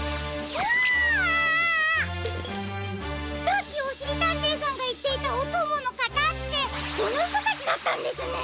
さっきおしりたんていさんがいっていたおとものかたってこのひとたちだったんですね！